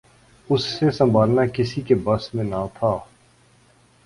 اسے سنبھالنا کسی کے بس میں نہ تھا